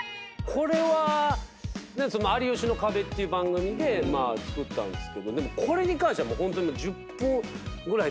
これは『有吉の壁』っていう番組で作ったんですけどこれに関してはホントに。